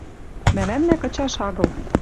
Мӓлӓннӓ кычаш агыл.